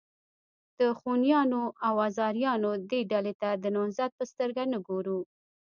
د خونیانو او آزاریانو دې ډلې ته د نهضت په سترګه نه ګورو.